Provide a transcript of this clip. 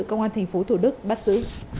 công an tp thủ đức bắt giữ